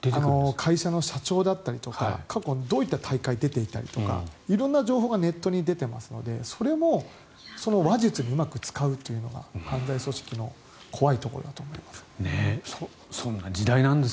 会社の社長だったりとか過去、どういった大会に出ていたりとか色んな情報がネットに出ていますのでそれも話術にうまく使うというのが犯罪組織の怖いところだと思います。